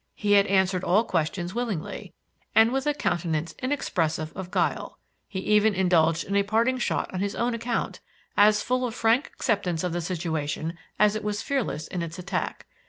He had answered all questions willingly, and with a countenance inexpressive of guile. He even indulged in a parting shot on his own account, as full of frank acceptance of the situation as it was fearless in its attack.